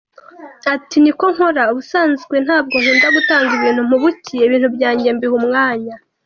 Ati “Niko nkora ubusanzwe, ntabwo nkunda gutanga ibintu mpubukiye, ibintu byanjye mbiha umwanya.